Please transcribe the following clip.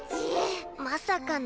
まさかの。